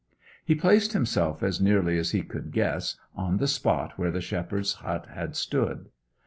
He placed himself, as nearly as he could guess, on the spot where the shepherd's hut had stood.